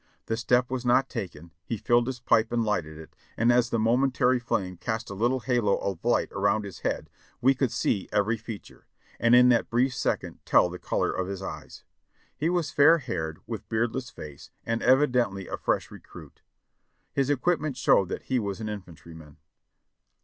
The step was not taken ; he filled his pipe and lighted it, and as the momentary fiame cast a little halo of light around his head 6l6 JOHNNY REB AND BILIvY YANK we could see every feature, and in that brief second tell the color of his eyes. He was fair haired, with beardless face, and evidently a fresh recruit; his equipment showed that he was an infantry man.